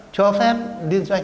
cho phép điên doanh